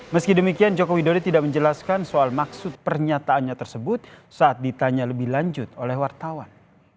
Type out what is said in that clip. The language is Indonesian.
meski demikian joko widodo tidak menjelaskan soal maksud pernyataannya tersebut saat ditanya lebih lanjut oleh wartawan